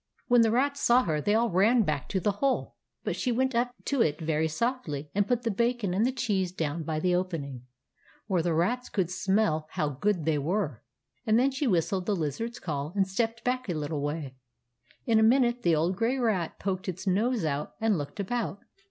When the rats saw her, they all ran back to the hole ; but she went up to it very softly and put the bacon and the cheese down by the opening, where the rats could smell how good they were ; and then she whistled the Lizard's call and stepped back a little way. In a minute the old grey rat poked its nose out and looked about.